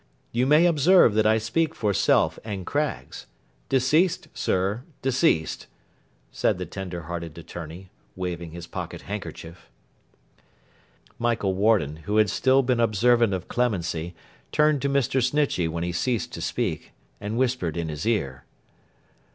You may observe that I speak for Self and Craggs—deceased, sir—deceased,' said the tender hearted attorney, waving his pocket handkerchief. Michael Warden, who had still been observant of Clemency, turned to Mr. Snitchey when he ceased to speak, and whispered in his ear.